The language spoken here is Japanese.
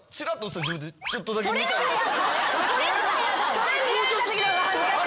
それ見られたときのが恥ずかしい。